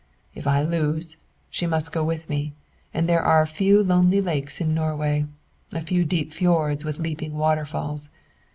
"If I lose, she must go with me; and there are a few lonely lakes in Norway, a few deep fiords with leaping waterfalls.